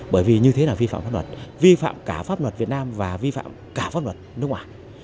bởi vì như thế là vi phạm pháp luật vi phạm cả pháp luật việt nam và vi phạm cả pháp luật nước ngoài